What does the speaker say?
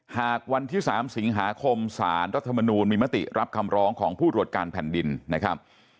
หากวันที่๓สิงหาคมสารรัฐมนูลมีมติรับคำร้องของผู้ตรวจการแผ่นดินนะครับ